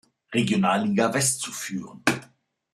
Regionalliga West zu führen.